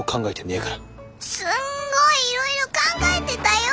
すんごいいろいろ考えてたよ！